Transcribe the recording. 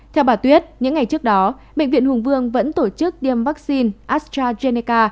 theo bà tuyết những ngày trước đó bệnh viện hùng vương vẫn tổ chức tiêm vaccine astrazeneca